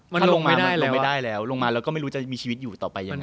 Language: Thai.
มันลงไม่ได้ลงไม่ได้แล้วลงมาแล้วก็ไม่รู้จะมีชีวิตอยู่ต่อไปยังไง